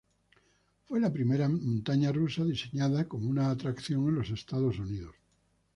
Fue la primera montaña rusa diseñada como una atracción en los Estados Unidos.